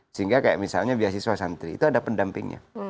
sehingga kayak misalnya beasiswa santri itu ada pendampingnya